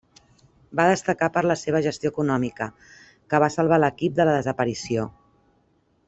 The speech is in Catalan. Va destacar per la seva gestió econòmica, que va salvar l'equip de la desaparició.